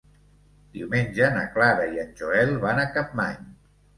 Diumenge na Clara i en Joel van a Capmany.